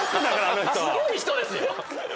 すごい人ですよ。